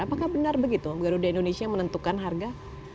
apakah benar begitu garuda indonesia menentukan harga